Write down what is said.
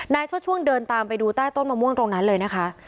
ชดช่วงเดินตามไปดูใต้ต้นมะม่วงตรงนั้นเลยนะคะ